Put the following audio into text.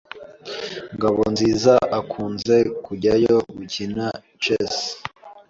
Ngabonziza akunze kujyayo gukina chess.